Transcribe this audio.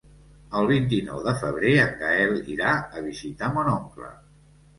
El vint-i-nou de febrer en Gaël irà a visitar mon oncle.